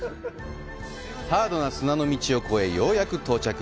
ハードな砂の道を越え、ようやく到着！